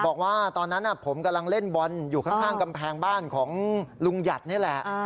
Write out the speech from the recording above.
บอกว่าตอนนั้นผมกำลังเล่นบอลอยู่ข้างกำแพงบ้านของลุงหยัดนี่แหละ